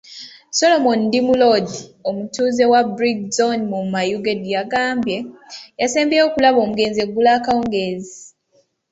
Solomon Ndimulodi, omutuuze wa Bridge zooni mu Mayuge yagambye yasembyeyo okulaba omugenzi eggulo akawungeezi.